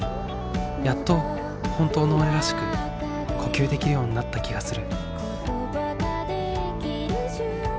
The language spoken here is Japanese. やっと本当の俺らしく呼吸できるようになった気がする。